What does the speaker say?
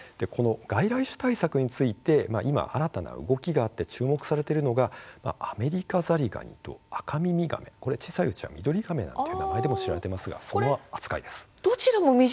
この外来種対策の中で今、注目されているのがアメリカザリガニとアカミミガメ小さいうちはミドリガメの名前でも知られていますがその扱いです。